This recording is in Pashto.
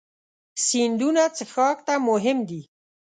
سیندونه څښاک ته مهم دي.